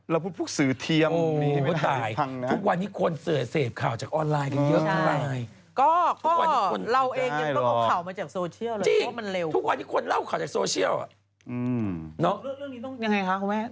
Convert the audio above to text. เรื่องนี้ต้องยังไงคะครับแม่